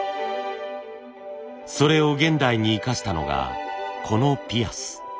それを現代に生かしたのがこのピアス。